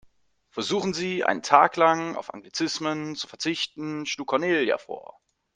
Versuchen Sie, einen Tag lang auf Anglizismen zu verzichten, schlug Cornelia vor.